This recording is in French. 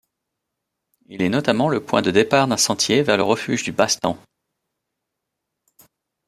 Il est notamment le point de départ d'un sentier vers le refuge du Bastan.